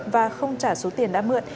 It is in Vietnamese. và không trả số tiền đã mượn